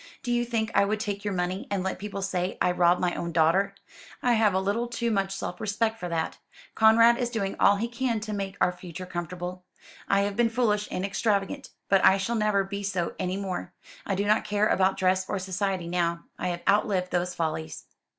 Do you think I would take your money, and let people say I robbed my own daughter? I have a little too much self respect for that. Conrad is doing all he can to make our future comfortable. I have been foolish and extravagant. But I shall never be so any more. I do not care about dress or society now. I have outlived those follies."